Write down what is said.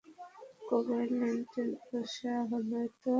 কোবাল্টের খোসা নয়তো এগুলো?